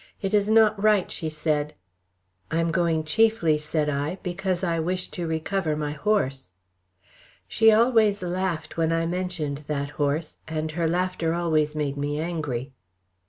"It is not right," she said. "I am going chiefly," said I, "because I wish to recover my horse." She always laughed when I mentioned that horse, and her laughter always made me angry.